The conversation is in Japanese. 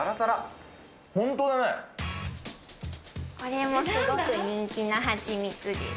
これもすごく人気な蜂蜜です。